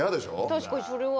確かにそれは。